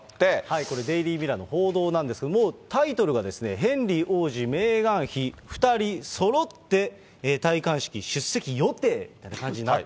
これ、デイリー・ミラーの報道なんですけれども、もうタイトルが、ヘンリー王子、メーガン妃、２人そろって戴冠式出席予定って